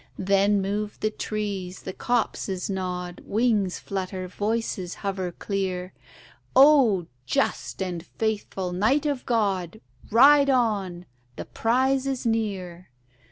Then move the trees, the copses nod, Wings flutter, voices hover clear: "O just and faithful knight of God! Ride on! the prize is near."